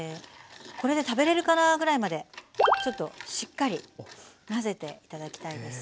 これで食べれるかなぐらいまでちょっとしっかり混ぜて頂きたいです。